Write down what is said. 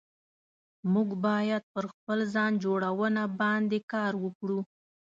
موږ بايد پر خپل ځان جوړونه باندي کار وکړو